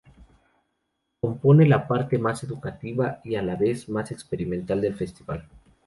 Compone la parte más educativa y a la vez más experimental del festival.